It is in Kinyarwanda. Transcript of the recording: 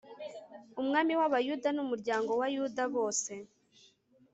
umwami w'abayuda n'umuryango wa yuda wose